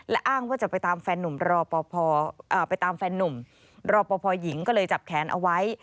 และอ้างว่าจะไปตามแฟนนุ่มรอปภไปตามแฟนนุ่มรอปภหญิงก็เลยจับแขนเอาไว้